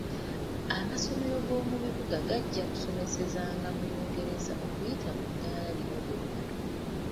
Amasomero go mu bibuga gajja kusomesezanga mu Lungereza okuyita mu ddala lino lyonna .